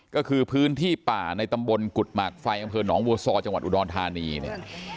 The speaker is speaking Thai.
ก็คือพื้นที่ป่าในตำบลกุฎหมากไฟอำเภอหนองบัวซอจังหวัดอุดรธานีเนี่ย